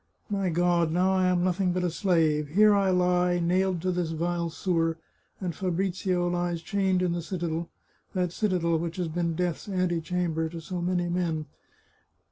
... My God! now I am nothing but a slave. Here I lie, nailed to this vile sewer; and Fabrizio lies chained in the citadel — that citadel which has been death's antechamber to so many men.